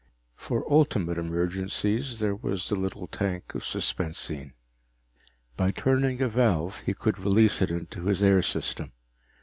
For ultimate emergencies there was the little tank of suspensine. By turning a valve, he could release it into his air system.